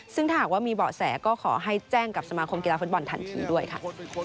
ซึ่งถ้าหากว่ามีเบาะแสก็ขอให้แจ้งกับสมาคมกีฬาฟุตบอลทันทีด้วยค่ะ